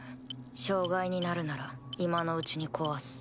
障害になるなら今のうちに壊す。